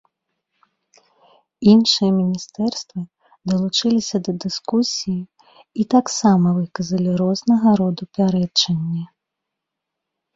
Іншыя міністэрствы далучыліся да дыскусіі і таксама выказалі рознага роду пярэчанні.